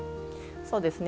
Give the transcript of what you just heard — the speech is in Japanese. そうですね。